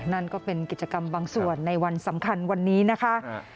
นั่นก็เป็นกิจกรรมบางส่วนในวันสำคัญวันนี้นะคะ